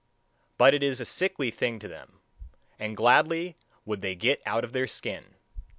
But it is a sickly thing to them, and gladly would they get out of their skin.